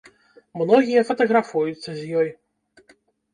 Многія фатаграфуюцца з ёй.